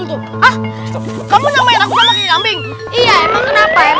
iya emang kenapa ya